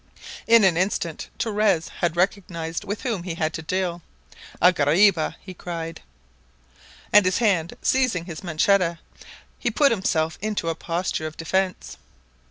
In an instant Torres had recognized with whom he had to deal. "A guariba!" he cried. And his hand seizing his manchetta, he put himself into a posture of defense.